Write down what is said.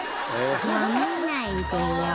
やめないでよ。